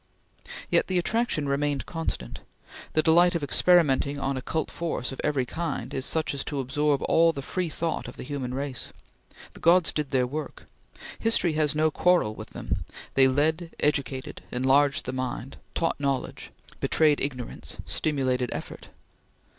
Yet the attraction remained constant. The delight of experimenting on occult force of every kind is such as to absorb all the free thought of the human race. The gods did their work; history has no quarrel with them; they led, educated, enlarged the mind; taught knowledge; betrayed ignorance; stimulated effort.